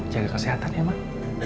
jaga kesehatan ya mak